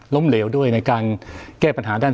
เหลวด้วยในการแก้ปัญหาด้าน